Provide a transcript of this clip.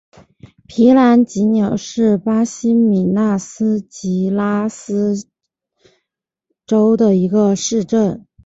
皮兰吉纽是巴西米纳斯吉拉斯州的一个市镇。